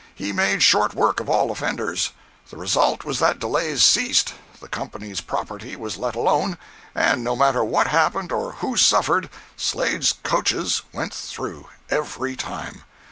He made short work of all offenders. The result was that delays ceased, the company's property was let alone, and no matter what happened or who suffered, Slade's coaches went through, every time!